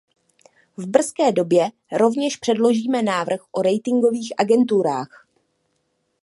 V brzké době rovněž předložíme návrh o ratingových agenturách.